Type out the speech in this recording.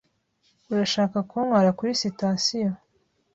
Urashaka kuntwara kuri sitasiyo?